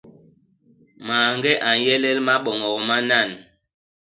Mañge a nyelel maboñok manan.